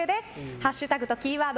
ハッシュタグとキーワード